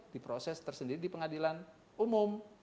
di proses tersendiri di pengadilan umum